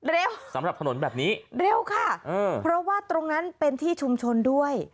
สำหรับถนนแบบนี้เร็วค่ะเพราะว่าตรงนั้นเป็นที่ชุมชนด้วย